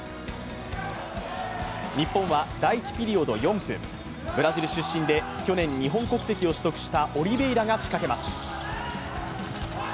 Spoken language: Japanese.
日本は第１ピリオド４分、ブラジル出身で去年、日本国籍を取得したオリベイラが仕掛けます。